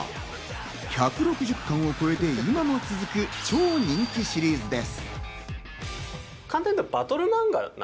１６０巻を超えて、今も続く、超人気シリーズです。